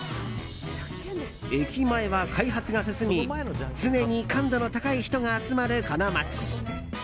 駅前は開発が進み常に感度の高い人が集まるこの街。